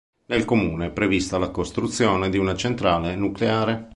Nel comune è prevista la costruzione di una centrale nucleare.